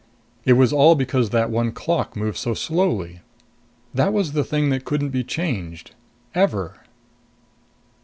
It was all because that one clock moved so slowly. That was the thing that couldn't be changed. Ever.